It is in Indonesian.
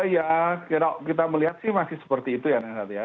ya kita melihat sih masih seperti itu ya renat ya